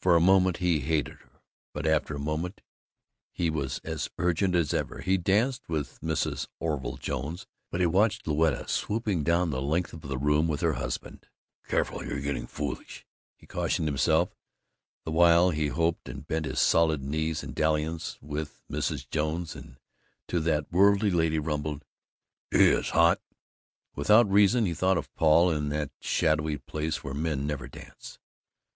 For a moment he hated her, but after the moment he was as urgent as ever. He danced with Mrs. Orville Jones, but he watched Louetta swooping down the length of the room with her husband. "Careful! You're getting foolish!" he cautioned himself, the while he hopped and bent his solid knees in dalliance with Mrs. Jones, and to that worthy lady rumbled, "Gee, it's hot!" Without reason, he thought of Paul in that shadowy place where men never dance.